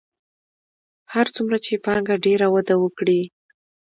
هر څومره چې پانګه ډېره وده وکړي